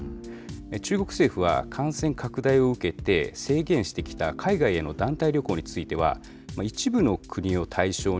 中国政府は、感染拡大を受けて、制限してきた海外への団体旅行については、一部の国を対象に、